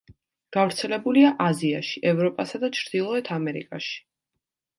გავრცელებულია აზიაში, ევროპასა და ჩრდილოეთ ამერიკაში.